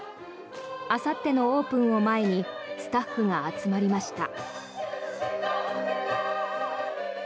あさってのオープンを前にスタッフが集まりました。